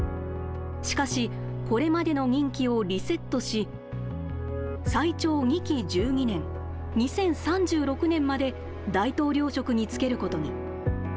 しかし、これまでの任期をリセットし、最長２期１２年、２０３６年まで大統領職に就けることに。